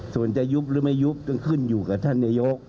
ส่วนจะยุบหรือไม่ยุบต้องขึ้นอยู่กับท่านนายก